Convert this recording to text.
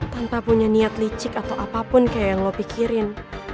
tanpa punya niat licik atau apapun kayak yang lo pikirin